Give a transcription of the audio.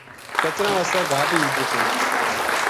کچراں وس گھا بے دِتو